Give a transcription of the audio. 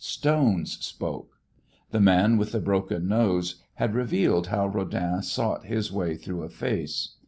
Stones spoke. "The Man with the Broken Nose" had revealed how Rodin sought his way through a face.